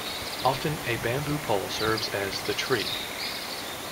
Often a bamboo pole serves as the "tree".